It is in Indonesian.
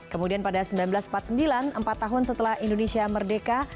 kemudian pada seribu sembilan ratus empat puluh sembilan empat tahun setelah indonesia merdeka